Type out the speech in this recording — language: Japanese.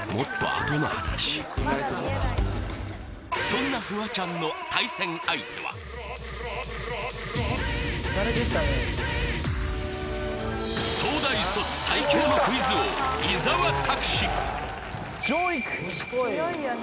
そんなフワちゃんの対戦相手は東大卒最強のクイズ王上陸！